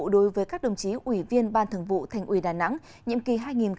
đối với các đồng chí ủy viên ban thường vụ thành ủy đà nẵng nhiệm kỳ hai nghìn hai mươi hai nghìn hai mươi năm